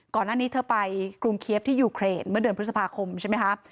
ก่อนหน้านี้เธอไปกรุงเคี๊ยบที่ยูเครนเมื่อเดือนพฤษภาคมใช่ไหมคะ